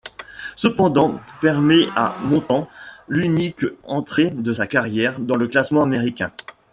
Cependant, permet à Montand l'unique entrée de sa carrière dans le classement américain.